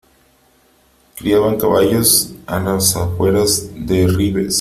Criaban caballos a las afueras de Ribes.